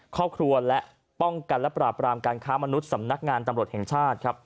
ครอบครัวและป้องกันและปราบรามการค้ามนุษย์สำนักงานตำรวจแห่งชาติครับ